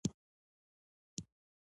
و به غځېږي،